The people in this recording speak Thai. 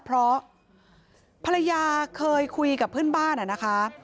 เพราะภรรยาเคยคุยกับเพื่อนบ้านนะคะ